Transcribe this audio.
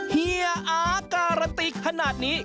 เฮียอาการันตีขนาดนี้